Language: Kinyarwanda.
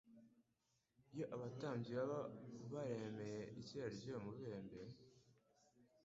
Iyo abatambyi baba baremeye ikira iy'uwo mubembe,